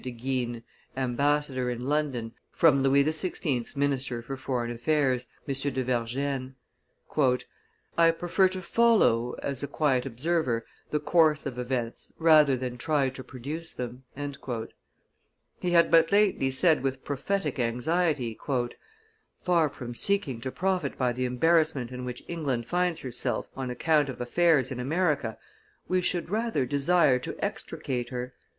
de Guines, ambassador in London, from Louis XVI.'s minister for foreign affairs, M. de Vergennes: "I prefer to follow, as a quiet observer; the course of events rather than try to produce them." He had but lately said with prophetic anxiety: "Far from seeking to profit by the embarrassment in which England finds herself on account of affairs in America, we should rather desire to extricate her.